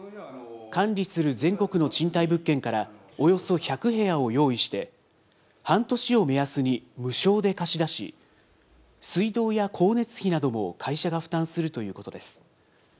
管理する全国の賃貸物件からおよそ１００部屋を用意して、半年を目安に無償で貸し出し、水道や光熱費なども会社が負担するということです。